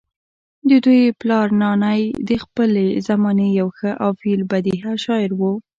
ددوي پلار نانے د خپلې زمانې يو ښۀ او في البديهه شاعر وو